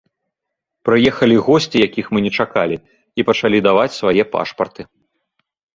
Прыехалі госці, якіх мы не чакалі, і пачалі даваць свае пашпарты.